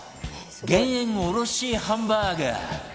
減塩おろしハンバーグ